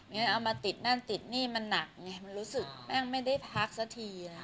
เอามาติดนั่นติดนี่มันหนักไงมันรู้สึกแม่งไม่ได้พักสักทีนะ